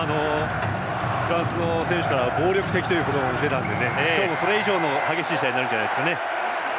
フランスの選手からは暴力的という言葉も出たので今日もそれ以上の激しい試合になるんじゃないですかね。